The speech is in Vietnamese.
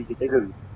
về cháy rừng